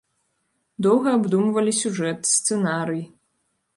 Доўга абдумвалі сюжэт, сцэнарый.